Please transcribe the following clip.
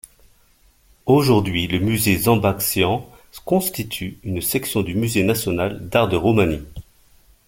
Aujourd’hui le musée Zambaccian constitue une section du musée national d'Art de Roumanie.